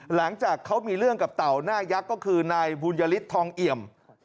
หลังจากเขามีเรื่องกับเต่าหน้ายักษ์ก็คือนายบุญยฤทธองเอี่ยม